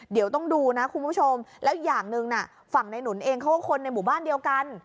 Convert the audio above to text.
เดี๋ยวต้องดูนะคุณผู้ชมแล้วอย่างหนึ่งน่ะฝั่งในหนุนเองเขาก็คนในหมู่บ้านเดียวกัน